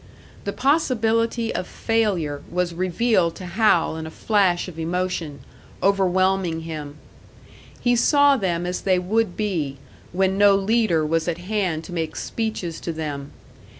The possibility of failure was revealed to Hal in a flash of emotion, overwhelming him. He saw them as they would be, when no leader was at hand to make speeches to them.